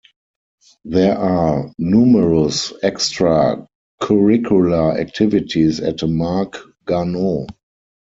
There are numerous extra curricular activities at Marc Garneau.